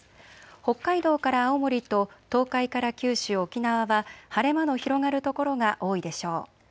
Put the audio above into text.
北海道から青森と東海から九州、沖縄は晴れ間の広がる所が多いでしょう。